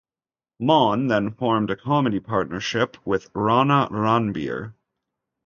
Mann then formed a comedy partnership with Rana Ranbir.